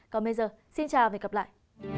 còn bây giờ xin chào và hẹn gặp lại